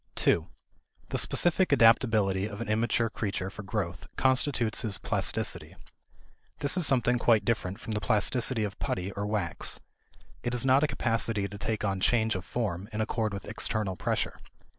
2. The specific adaptability of an immature creature for growth constitutes his plasticity. This is something quite different from the plasticity of putty or wax. It is not a capacity to take on change of form in accord with external pressure.